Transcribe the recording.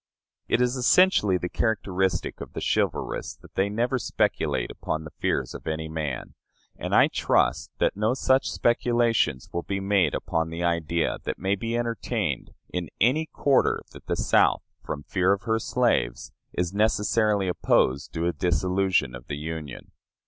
It is essentially the characteristic of the chivalrous that they never speculate upon the fears of any man, and I trust that no such speculations will be made upon the idea that may be entertained in any quarter that the South, from fear of her slaves, is necessarily opposed to a dissolution of the Union.